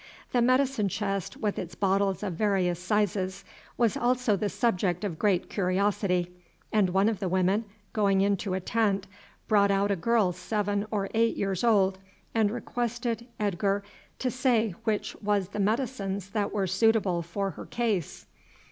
The medicine chest, with its bottles of various sizes, was also the subject of great curiosity, and one of the women, going into a tent, brought out a girl seven or eight years old, and requested Edgar to say which was the medicines that were suitable for her case.